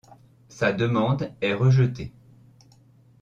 Sa demande est rejetée.